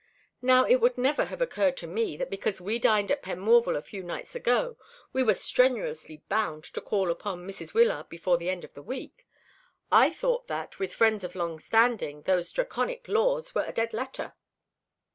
Now, it would never have occurred to me that because we dined at Penmorval a few nights ago, we were strenuously bound, to call upon Mrs. Wyllard before the end of the week. I thought that, with friends of long standing those Draconic laws were a dead letter."